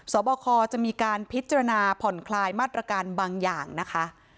บคจะมีการพิจารณาผ่อนคลายมาตรการบางอย่างนะคะ